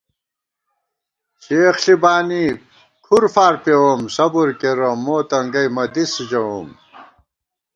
چېخ ݪی بانی کھُر فار پېووم ، صبر کېرہ مو تنگَئی مہ دِس ژَوُم